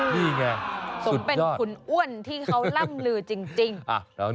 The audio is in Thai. นี่ไงสมเป็นคุณอ้วนที่เขาล่ำลือจริง